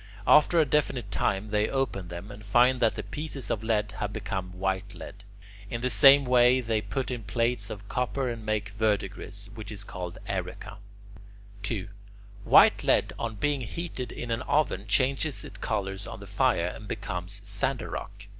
After a definite time they open them, and find that the pieces of lead have become white lead. In the same way they put in plates of copper and make verdigris, which is called "aeruca." 2. White lead on being heated in an oven changes its colour on the fire, and becomes sandarach.